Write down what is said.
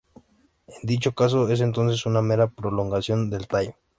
En dicho caso, es entonces una mera prolongación del tallo.